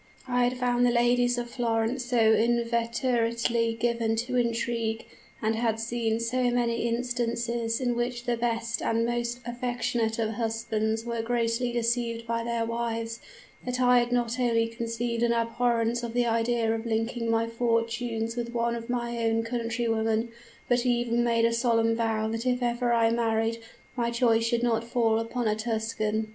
I had found the ladies of Florence so inveterately given to intrigue, and had seen so many instances in which the best and most affectionate of husbands were grossly deceived by their wives, that I had not only conceived an abhorrence at the idea of linking my fortunes with one of my own countrywomen, but even made a solemn vow that if ever I married, my choice should not fall upon a Tuscan.